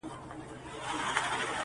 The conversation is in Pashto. واری د تېراه دی ورپسې مو خیبرونه دي!.